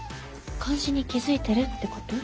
監視に気付いてるってこと？